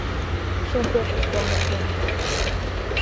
Шем пӧртыштӧ аҥырген